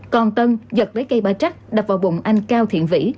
còn tân giật lấy cây ba trắc đập vào bụng anh cao thiện vĩ